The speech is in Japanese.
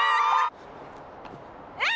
あ！